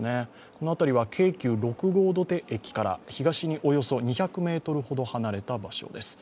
この辺りは京急六郷土手駅から東におよそ２００ｍほど離れた場所です。